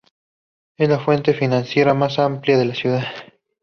Es la fuente financiera más amplia de la ciudad.